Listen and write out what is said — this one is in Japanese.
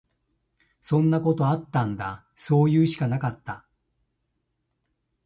そんなことあったんだ。そういうしかなかった。